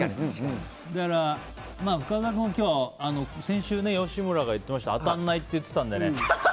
だから深澤君は今日先週、吉村さんが言ってました当たらないって言ってたんで。